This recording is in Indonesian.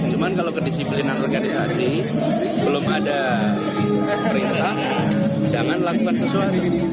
cuma kalau kedisiplinan organisasi belum ada perintah jangan lakukan sesuatu